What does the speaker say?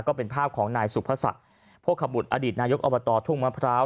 ก็เป็นภาพของนายสุภศักดิ์โภคบุตรอดีตนายกอบตทุ่งมะพร้าว